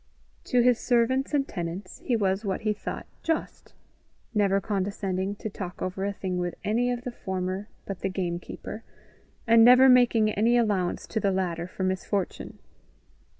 To his servants and tenants he was what he thought just never condescending to talk over a thing with any of the former but the game keeper, and never making any allowance to the latter for misfortune.